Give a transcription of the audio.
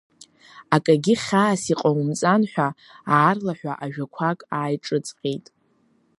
Акагьы хьаас иҟоумҵан ҳәа аарлаҳәа ажәақәак ааиҿыҵҟьеит.